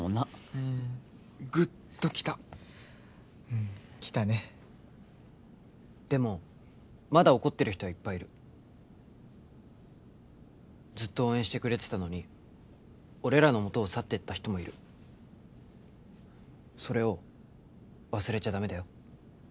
うんグッときたうんきたねでもまだ怒ってる人はいっぱいいるずっと応援してくれてたのに俺らのもとを去ってった人もいるそれを忘れちゃダメだよ